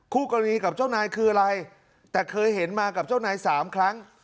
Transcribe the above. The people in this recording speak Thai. คู่กรณีกับเจ้านายคืออะไรแต่เคยเห็นมากับเจ้านายสามครั้ง